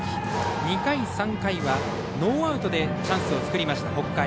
２回３回はノーアウトでチャンスを作りました北海。